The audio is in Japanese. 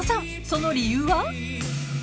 ［その理由は？］